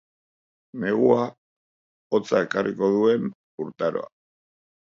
Negua, hotza ekarriko duen urtaroa.